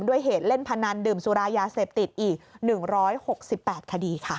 ด้วยเหตุเล่นพนันดื่มสุรายาเสพติดอีก๑๖๘คดีค่ะ